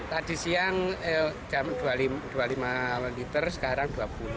tadi siang dua puluh lima liter sekarang dua puluh